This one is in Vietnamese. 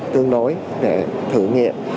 tương đối để thử nghiệm